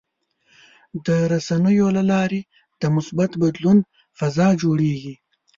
د رسنیو له لارې د مثبت بدلون فضا جوړېږي.